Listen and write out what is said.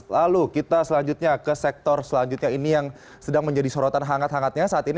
lalu kita selanjutnya ke sektor selanjutnya ini yang sedang menjadi sorotan hangat hangatnya saat ini